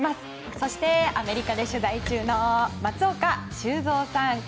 そして、アメリカで取材中の松岡修造さん。